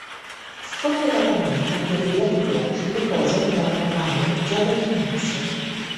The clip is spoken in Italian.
Sfortunatamente per i "Black Watch", le cose andarono male già dall'inizio.